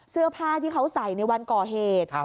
เสื้อผ้าที่เขาใส่ในวันก่อเหตุ